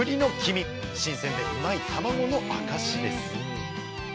新鮮でうまいたまごの証しです。